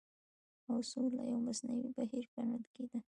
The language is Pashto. او سوله يو مصنوعي بهير ګڼل کېدی